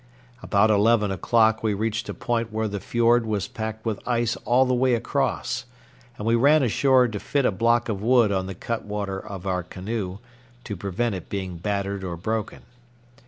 About eleven o'clock we reached a point where the fiord was packed with ice all the way across, and we ran ashore to fit a block of wood on the cutwater of our canoe to prevent its being battered or broken.